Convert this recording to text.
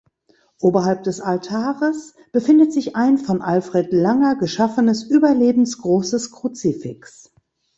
Oberhalb des Altares befindet sich ein von Alfred Langer geschaffenes überlebensgroßes Kruzifix.